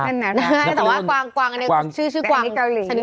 นั่นไงแต่ว่ากวางชื่อชื่อกวางแต่อันนี้เกาหลี